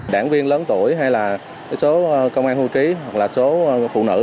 đảng viên lớn tuổi hay là số công an hưu trí hoặc là số phụ nữ